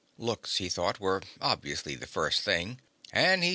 Looks, he thought, were obviously the first thing, and he certainly had those.